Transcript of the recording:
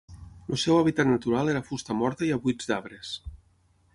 El seu hàbitat natural era fusta morta i a buits d'arbres.